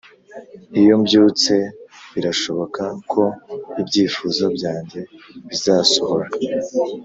iyo mbyutse, birashoboka ko ibyifuzo byanjye bizasohora.